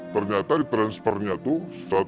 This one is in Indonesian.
ternyata ditransfernya tuh satu satu ratus enam belas